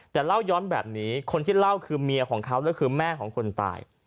แต่เล่าย้อนแบบนี้คนที่เล่าคือเมียของเขาและคือแม่ของคนตาย